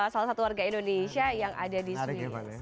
salah satu warga indonesia yang ada di sini